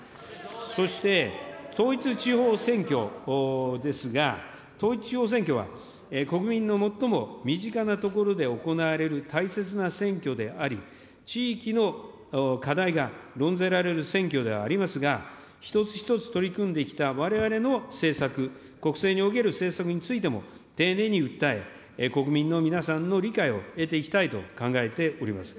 そして、統一地方選挙ですが、統一地方選挙は、国民の最も身近なところで行われる大切な選挙であり、地域の課題が論ぜられる選挙ではありますが、一つ一つ取り組んできたわれわれの政策、国政における政策についても丁寧に訴え、国民の皆さんの理解を得ていきたいと考えております。